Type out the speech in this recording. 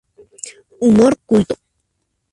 Humor culto.